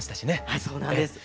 はいそうなんです。